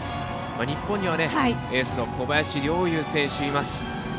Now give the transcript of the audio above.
日本には、エースの小林陵侑選手がいます。